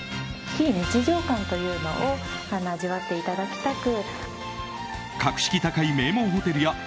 非日常感というのを味わっていただきたく。